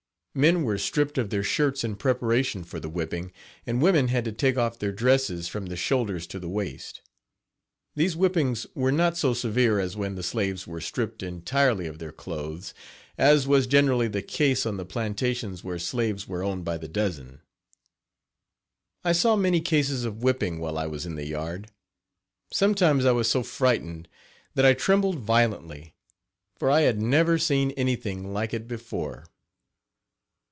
Men were stripped of their shirts in preparation for the whipping, and women had to take off their dresses from the shoulders to the waist. These whippings were not so severe as when the slaves were stripped entirely of their clothes, as was generally the case on the plantations where slaves were owned by the dozen. I saw many cases of whipping while I was in the yard. Sometimes I was so frightened that I trembled violently, for I had never seen anything like it before.